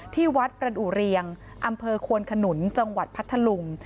ที่วัดประดูเรียงอำเภอควนขนุนจังหวัดพัทธลุง